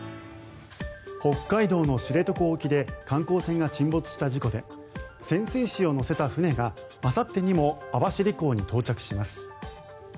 北海道の知床沖で観光船が沈没した事故で潜水士を乗せた船があさってにも網走港に到着します。